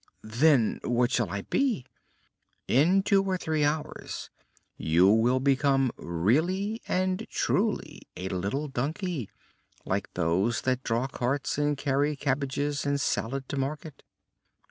"Then what shall I be?" "In two or three hours you will become really and truly a little donkey, like those that draw carts and carry cabbages and salad to market."